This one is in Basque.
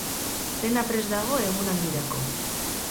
Dena prest dago egun handirako.